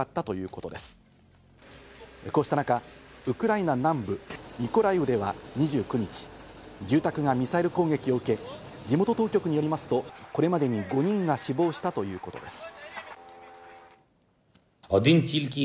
こうした中、ウクライナ南部ミコライウでは２９日、住宅がミサイル攻撃を受け、地元当局によりますと、これまでに５人が死亡したということです。